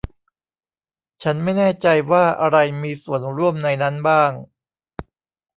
ฉันไม่แน่ใจว่าอะไรมีส่วนร่วมในนั้นบ้าง